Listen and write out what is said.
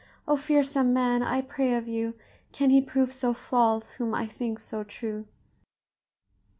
O, fearsome man! I pray of you, Can he prove so false whom I think so true?"